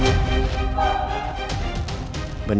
meski orang menteri